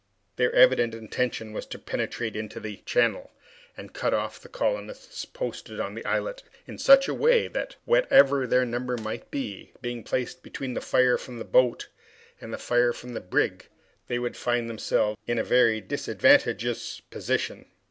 Their evident intention was to penetrate into the channel, and cut off the colonists posted on the islet, in such a way, that whatever their number might be, being placed between the fire from the boat and the fire from the brig, they would find themselves in a very disadvantageous position.